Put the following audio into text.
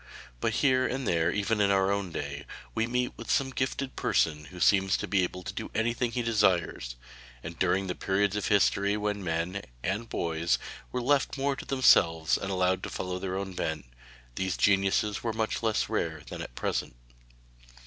But here and there even in our own day, we meet with some gifted person who seems to be able to do anything he desires, and during the periods of history when men and boys were left more to themselves and allowed to follow their own bent, these geniuses were much less rare than at present.